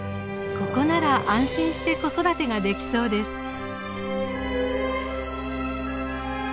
ここなら安心して子育てができそうです。